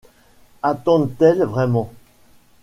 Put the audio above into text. Attendent-elles vraiment ?